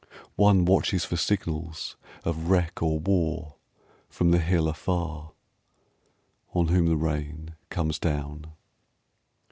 One watches for signals of wreck or war From the hill afar, On whom the rain comes down.